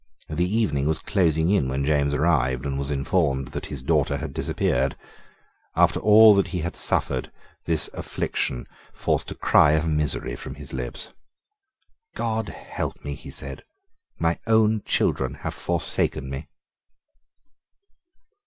The evening was closing in when James arrived, and was informed that his daughter had disappeared. After all that he had suffered, this affliction forced a cry of misery from his lips. "God help me," he said; "my own children have forsaken me."